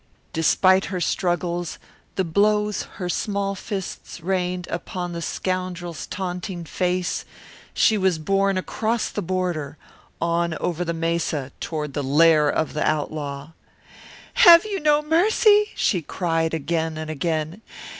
Despite her struggles, the blows her small fists rained upon the scoundrel's taunting face, she was borne across the border, on over the mesa, toward the lair of the outlaw. "Have you no mercy?" she cried again and again.